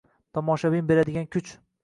Tomoshabin beradigan kuch